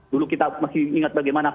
dulu kita masih ingat bagaimana